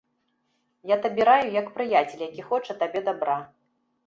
Я табе раю як прыяцель, які хоча табе дабра.